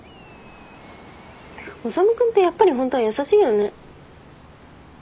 修君ってやっぱりホントは優しいよね。